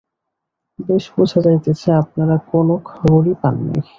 বেশ বুঝা যাইতেছে, আপনারা কোনো খবরই পান নাই।